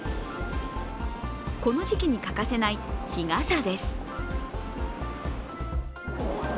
この時期に欠かせない日傘です。